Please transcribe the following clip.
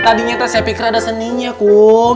tadi nyata saya pikir ada seninya kum